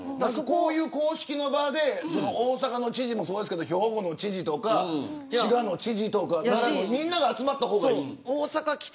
公式の場で大阪の知事もそうですが兵庫の知事とか滋賀の知事とかみんなが集まった方がいい。